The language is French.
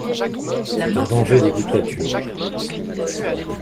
C'est un danger de dictature!